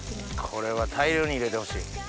これは大量に入れてほしい。